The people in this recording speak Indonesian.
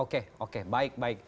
oke oke baik baik